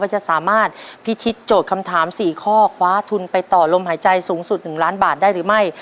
จะสามารถพิชิตโจทย์คำถาม๔ข้อคว้าทุนไปต่อลมหายใจสูงสุด๑ล้านบาทได้หรือไม่